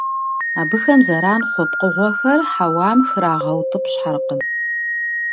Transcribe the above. Абыхэм зэран хъу пкъыгъуэхэр хьэуам храгъэутӀыпщхьэркъым.